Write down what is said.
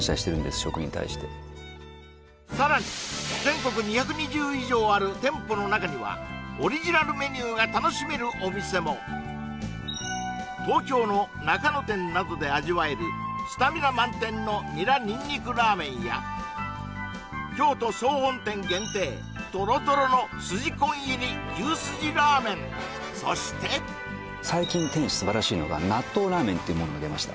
食に対してさらに全国２２０以上ある店舗の中にはオリジナルメニューが楽しめるお店も東京の中野店などで味わえるスタミナ満点のニラにんにくラーメンや京都総本店限定トロトロのすじコン入り牛すじラーメンそして最近天一素晴らしいのが納豆ラーメンっていうものが出ました